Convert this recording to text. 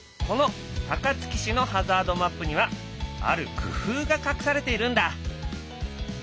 この高槻市のハザードマップにはある工夫が隠されているんだ。